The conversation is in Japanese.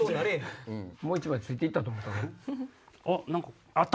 もう１枚ついて行ったと思った。